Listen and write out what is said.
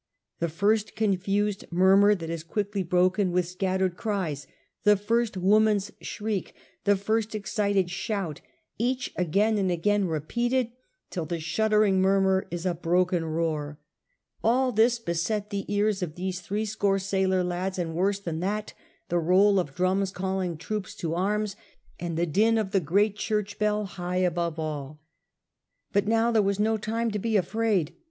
The first confused murmur that is quickly broken with scattered cries, the first woman's shriek and first excited shout, each again and again repeated till the shuddering murmur is a broken roar — all this beset the ears of these threescore sailor lads, and worse than that, the roll of drums calling troops to arms, and the din of the great church bell high above all. But now there was no time to be afraid.